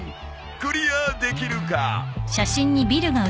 クリアできるか！？